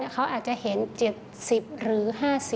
เขาอาจจะเห็น๗๐หรือ๕๐